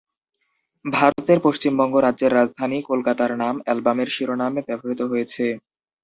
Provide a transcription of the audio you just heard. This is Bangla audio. ভারতের পশ্চিমবঙ্গ রাজ্যের রাজধানী কলকাতার নাম অ্যালবামের শিরোনামে ব্যবহৃত হয়েছে।